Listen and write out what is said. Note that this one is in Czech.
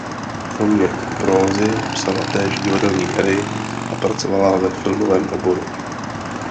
Kromě prózy psala též divadelní hry a pracovala ve filmovém oboru.